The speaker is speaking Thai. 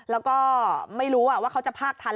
แล้วก็ไม่รู้ว่าเขาจะพากทัน